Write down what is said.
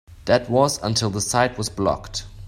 That was until the site was blocked.